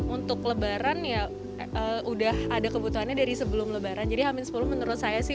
untuk lebaran ya udah ada kebutuhannya dari sebelum lebaran jadi hamin sepuluh menurut saya sih